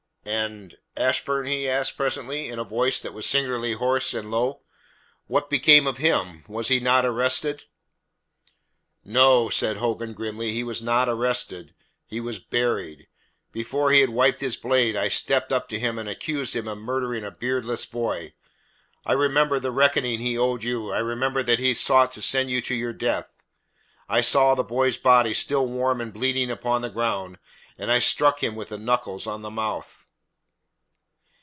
"And Ashburn?" he asked presently, in a voice that was singularly hoarse and low. "What became of him? Was he not arrested?" "No," said Hogan grimly, "he was not arrested. He was buried. Before he had wiped his blade I had stepped up to him and accused him of murdering a beardless boy. I remembered the reckoning he owed you, I remembered that he had sought to send you to your death; I saw the boy's body still warm and bleeding upon the ground, and I struck him with my knuckles on the mouth.